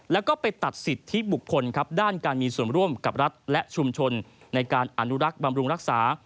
แล้วก็ไปตัดสิทธิบุคคลครับด้านการมีส่วนร่วมกับรัฐและชุมชนในการอนุรักษ์บำรุงรักษา